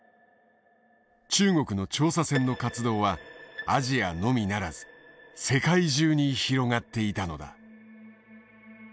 中国の調査船の活動はアジアのみならず世界中に広がっていたのだ。